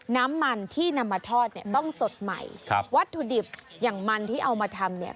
น้ำมันที่นำมาทอดเนี่ยต้องสดใหม่ครับวัตถุดิบอย่างมันที่เอามาทำเนี่ย